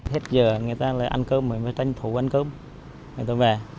hết giờ người ta lại ăn cơm mới phải tranh thủ ăn cơm người ta về